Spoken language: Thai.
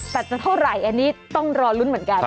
แต่จะเท่าไหร่อันนี้ต้องรอลุ้นเหมือนกัน